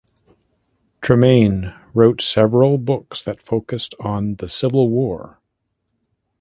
Tremain wrote several books that focused on the Civil War.